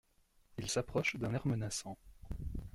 Il s’approche d’un air menaçant.